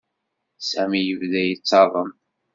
Sami yebda yettaḍen.